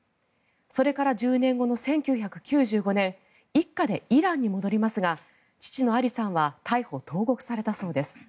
それから１０年後の１９９５年一家でイランに戻りますが父のアリさんは逮捕・投獄されたそうです。